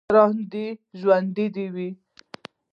یاران دې ژوندي وي